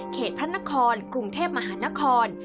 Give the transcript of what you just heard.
พระนครกรุงเทพมหานคร